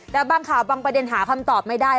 แต่บางข่าวบางประเด็นหาคำตอบไม่ได้